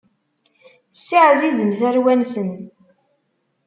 Ssiɛzizen tarwan-nsen.